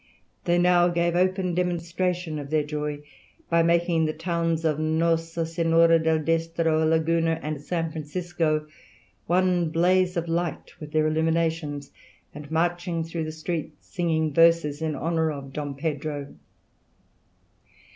They now gave open demonstration of their joy by making the towns of Nossa Senhora del Desterro, Laguna, and San Francisco one blaze of light with their illuminations, and marching through the streets singing verses in honour of Don Pedro."